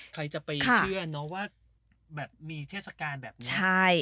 ใครจะไปเชื่อนว่ามีเทศกาลเนี้ย